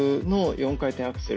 ４回転アクセル。